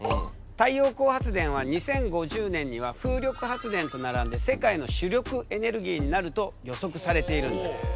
太陽光発電は２０５０年には風力発電と並んで世界の主力エネルギーになると予測されているんだ。